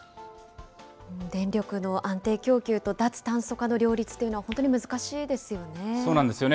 電力の安定供給と脱炭素化の両立というのは本当に難しいですそうなんですよね。